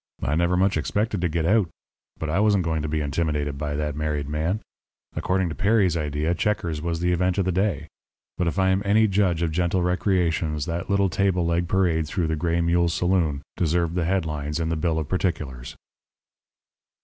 I never much expected to get out, but I wasn't going to be intimidated by that married man. According to Perry's idea, checkers was the event of the day, but if I am any judge of gentle recreations that little table leg parade through the Gray Mule saloon deserved the head lines in the bill of particulars.